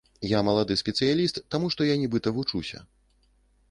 Я малады спецыяліст, таму што я нібыта вучуся.